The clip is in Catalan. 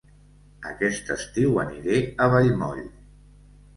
Aquest estiu aniré a Vallmoll